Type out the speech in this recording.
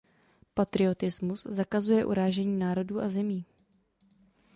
Patriotismus zakazuje urážení národů a zemí.